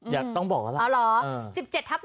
อย่าต้องบอกแล้วอ๋อหรอ๑๗ทับ๑ค่ะ